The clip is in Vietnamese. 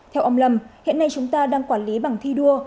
theo ông lâm hiện nay chúng ta đang quản lý bằng thi đua